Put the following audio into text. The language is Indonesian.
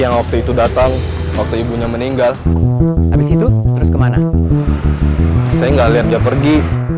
yang waktu itu datang waktu ibunya meninggal habis itu terus kemana saya enggak lihat dia pergi